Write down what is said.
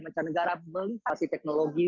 macam negara melintasi teknologi